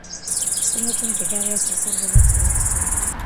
ჩინეთი მდიდარია სასარგებლო წიაღისეულით.